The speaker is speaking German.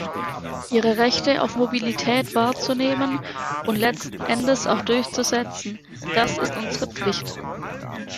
Ihre Rechte auf Mobilität wahrzunehmen und letzten Endes auch durchzusetzen, das ist unsere Pflicht.